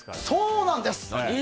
そうなんです！